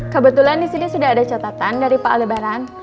kebetulan disini sudah ada catatan dari pak aldebaran